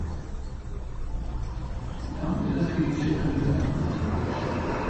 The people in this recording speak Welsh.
Pam oeda chdi isio cymryd rhan yn y gyfres